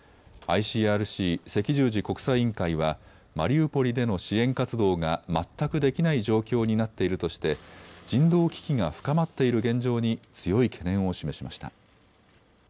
ＩＣＲＣ・赤十字国際委員会はマリウポリでの支援活動が全くできない状況になっているとして人道危機が深まっている現状に強い懸念を示しました。